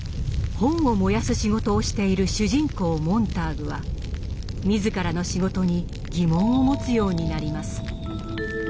本を燃やす仕事をしている主人公モンターグは自らの仕事に疑問を持つようになります。